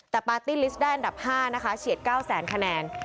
แต่ปาร์ตี้ลิสต์ได้อันดับ๕นะคะเฉียด๙แสนคะแนน